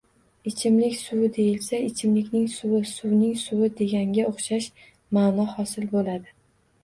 Ichimlik suvi deyilsa, ichimlikning suvi suvning suvi deganga oʻxshash maʼno hosil boʻladi